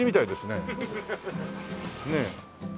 ねえ。